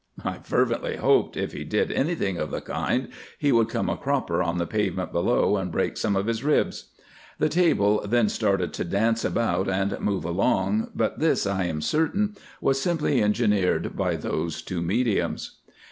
I fervently hoped if he did anything of the kind he would come a cropper on the pavement below and break some of his ribs. The table then started to dance about and move along, but this, I am certain, was simply engineered by those two mediums.